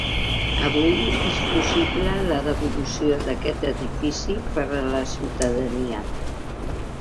Avui és possible la devolució d’aquest edifici per a la ciutadania.